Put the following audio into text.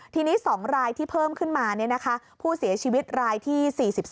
ทีนี้๒รายที่เพิ่มขึ้นมาผู้เสียชีวิตรายที่๔๒